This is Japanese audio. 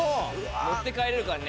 持って帰れるからね。